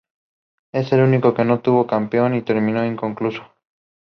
Arakawa was the youngest of three sons.